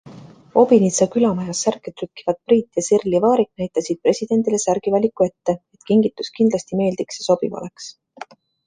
Obinitsa külamajas särke trükkivad Priit ja Sirli Vaarik näitasid presidendile särgivaliku ette, et kingitus kindlasti meeldiks ja sobiv oleks.